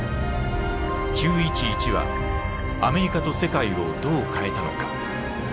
９．１１はアメリカと世界をどう変えたのか。